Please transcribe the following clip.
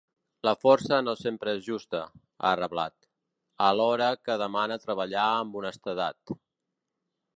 La força no sempre és justa, ha reblat, alhora que demana treballar amb honestedat.